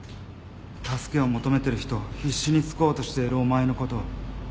助けを求めてる人を必死に救おうとしているお前のことを。